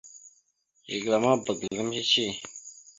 Zigəla ma bba ga azlam cici.